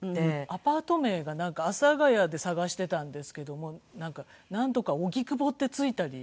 アパート名がなんか阿佐ヶ谷で探していたんですけどもなんかなんとか荻窪ってついたり。